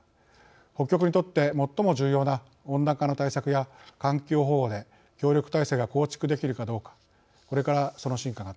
北極にとって最も重要な温暖化の対策や環境保護で協力体制が構築できるかどうかこれからその真価が問われます。